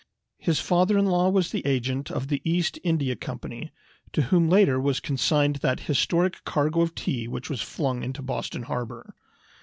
His father in law was the agent of the East India Company, to whom later was consigned that historic cargo of tea which was flung into Boston Harbor.